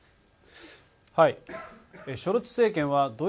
はい。